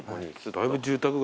だいぶ住宅街だよ。